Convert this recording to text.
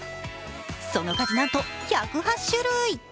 その数なんと１０８種類。